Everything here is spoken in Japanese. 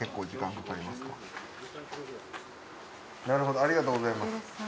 なるほどありがとうございます。